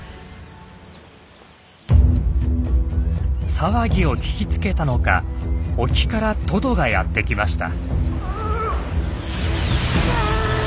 騒ぎを聞きつけたのか沖からトドがやって来ました。